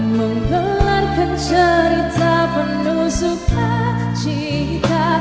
menggelarkan cerita penuh sukacita